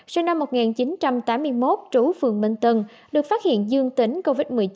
sinh năm một nghìn chín trăm tám mươi một trú phường minh tân được phát hiện dương tính covid một mươi chín